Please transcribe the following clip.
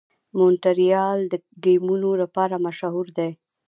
مونټریال د ګیمونو لپاره مشهور دی.